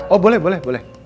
oh boleh boleh boleh